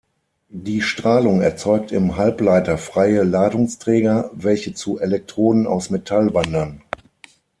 Die Strahlung erzeugt im Halbleiter freie Ladungsträger, welche zu Elektroden aus Metall wandern.